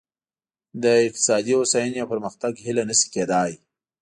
د اقتصادي هوساینې او پرمختګ هیله نه شي کېدای.